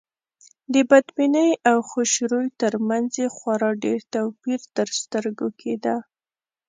د بدبینۍ او خوشروی تر منځ یې خورا ډېر توپير تر سترګو کېده.